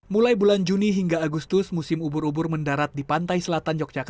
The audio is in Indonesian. mulai bulan juni hingga agustus musim ubur ubur mendarat di pantai selatan